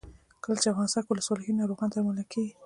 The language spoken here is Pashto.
کله چې افغانستان کې ولسواکي وي ناروغان درملنه کیږي.